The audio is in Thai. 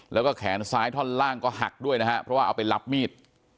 แล้วก็แขนซ้ายท่อนล่างก็หักด้วยนะฮะเพราะว่าเอาไปรับมีด